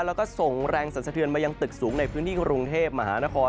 แล้วก็ส่งแรงสรรสะเทือนมายังตึกสูงในพื้นที่กรุงเทพมหานคร